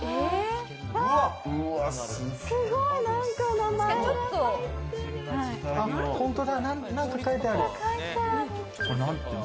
すごい、なんか名前が書いてある。